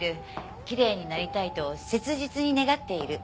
きれいになりたいと切実に願っている。